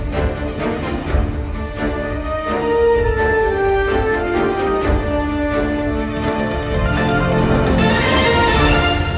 โปรดติดตามตอนต่อไป